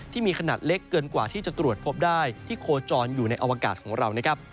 ที่มีขนาดเล็กเกินกว่าที่จะตรวจพบได้ที่โคจรอยู่ในอวกาศของเรานะครับ